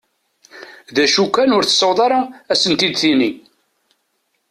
D acu kan ur tessaweḍ ara ad asent-id-tini.